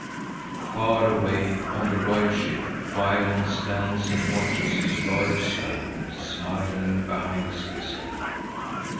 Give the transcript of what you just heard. Far away on the royal ship Violence stands and watches his royal servant, smiling behind his vizor.